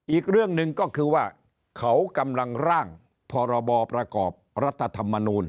อีกเรื่องหนึ่งก็คือว่าเขากำลังร่างพรบประกอบรัฐธรรมนูล